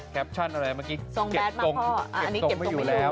แปปชั่นอะไรเมื่อกี้เก็บตรงไม่อยู่แล้ว